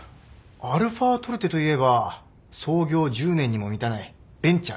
αトルテといえば創業１０年にも満たないベンチャーだよね。